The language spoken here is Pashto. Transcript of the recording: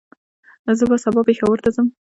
زه به سبا پېښور ته ځم